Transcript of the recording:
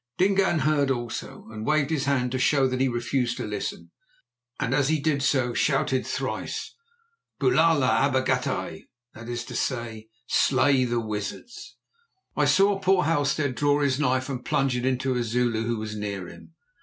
Dingaan heard also, and waved his hand to show that he refused to listen, and as he did so shouted thrice: "Bulala abatagati!" that is, Slay the wizards! I saw poor Halstead draw his knife and plunge it into a Zulu who was near him.